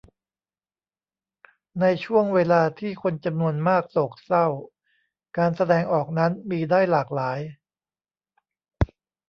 ในช่วงเวลาที่คนจำนวนมากโศกเศร้า การแสดงออกนั้นมีได้หลากหลาย